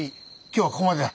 今日はここまでだ。